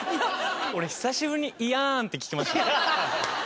俺久しぶりに「いやーん！」って聞きました。